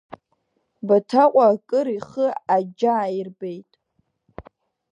Баҭаҟәа акыр ихы аџьа аирбеит.